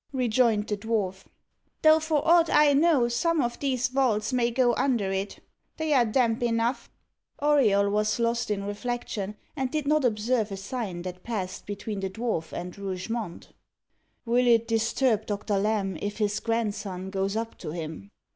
rejoined the dwarf; "though, for ought I know, some of these vaults may go under it. They are damp enough." Auriol was lost in reflection, and did not observe a sign that passed between the dwarf and Rougemont. "Will it disturb Doctor Lamb if his grandson goes up to him?"